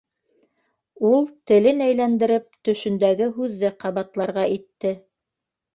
Ул, телен әйләндереп, төшөндәге һүҙҙе ҡабатларға итте.